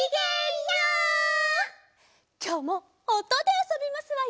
きょうもおとであそびますわよ。